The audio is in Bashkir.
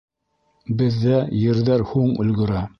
Беҙҙә ерҙәр һуң өлгөрә.